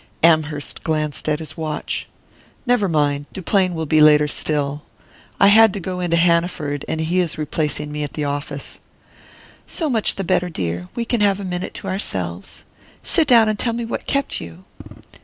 Amherst glanced at his watch. "Never mind Duplain will be later still. I had to go into Hanaford, and he is replacing me at the office." "So much the better, dear: we can have a minute to ourselves. Sit down and tell me what kept you."